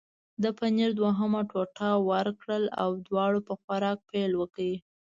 د پنیر دوهمه ټوټه ورکړل او دواړو په خوراک پیل وکړ.